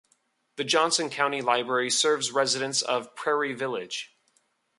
The Johnson County Library serves residents of Prairie Village.